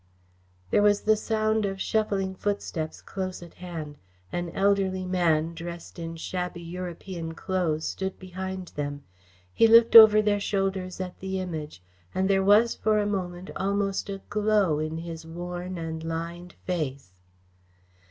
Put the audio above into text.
There was the sound of shuffling footsteps close at hand. An elderly man, dressed in shabby European clothes, stood behind them. He looked over their shoulders at the Image, and there was for a moment almost a glow in his worn and lined face.